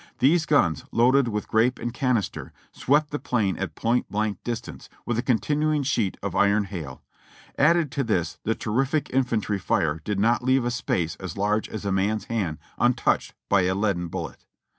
These guns, loaded with grape and canister, swept the plain at point blank distance with a continuing sheet of iron hail ; added to this, the terrific infantry fire did not leave a space as large as a man's hand untouched by a leaden bullet.